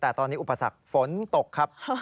แต่ตอนนี้อุปสรรคฝนตกครับ